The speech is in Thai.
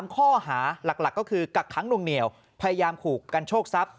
ข้อหาหลักก็คือกักค้างนวงเหนียวพยายามขู่กันโชคทรัพย